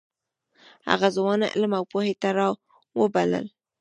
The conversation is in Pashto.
هغه ځوانان علم او پوهې ته راوبلل.